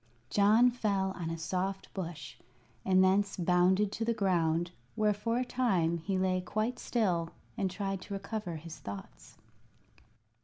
John fell on a soft bush, and thence bounded to the ground, where for a time he lay quite still and tried to recover his thoughts.